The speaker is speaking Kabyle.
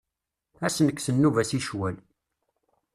Ad s nekkes nnuba-s i ccwal.